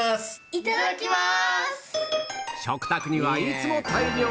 いただきます！